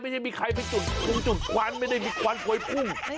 ไม่ใช่มีใครไปจุดปูจุดควันไม่ได้มีควันพวยพุ่ง